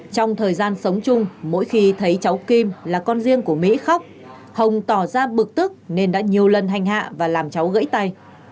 trong thời gian sống chung mỗi khi thấy cháu kim là con riêng của mỹ khóc hồng tỏ ra bực tức nên đã nhiều lần hành hạ và làm cháu gãy tay